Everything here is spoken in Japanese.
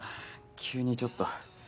急にちょっと。